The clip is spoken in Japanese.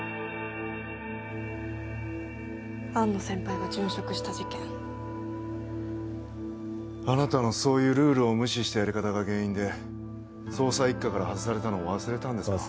安野先輩が殉職した事件あなたのそういうルールを無視したやり方が原因で捜査一課から外されたのを忘れたんですか？